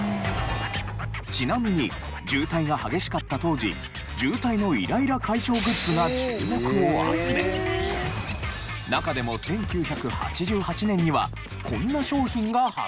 ちなみに渋滞が激しかった当時渋滞のイライラ解消グッズが注目を集め中でも１９８８年にはこんな商品が発売。